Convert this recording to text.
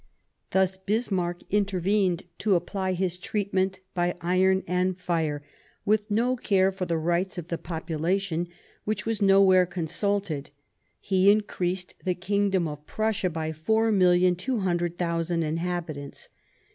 Thus Bismarck intervened to apply his treatment " by iron and fire "; with no care for the rights of the population, which was nowhere consulted, he increased the Kingdom of Prussia by four million two hundred thousand inhabitants.